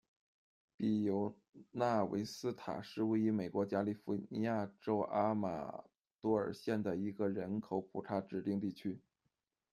比尤纳维斯塔是位于美国加利福尼亚州阿马多尔县的一个人口普查指定地区。